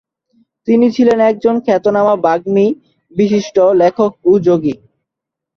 তিনি ছিলেন একজন খ্যাতনামা বাগ্মী, বিশিষ্ট লেখক ও যোগী।